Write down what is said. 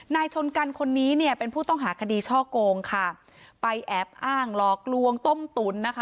นายชนกันคนนี้เนี่ยเป็นผู้ต้องหาคดีช่อโกงค่ะไปแอบอ้างหลอกลวงต้มตุ๋นนะคะ